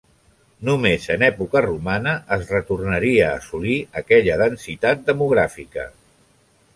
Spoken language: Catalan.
Només en època romana es retornaria a assolir aquella densitat demogràfica.